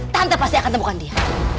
tante pasti akan temukan dia